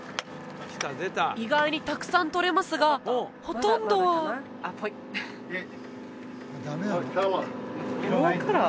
意外にたくさん採れますがほとんどはノーカラー？